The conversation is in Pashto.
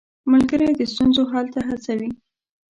ملګری د ستونزو حل ته هڅوي.